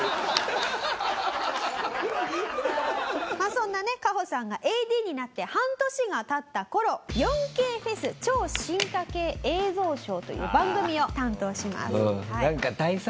そんなねカホさんがＡＤになって半年が経った頃『４ＫＦｅｓ．超進化系映像ショー』という番組を担当します。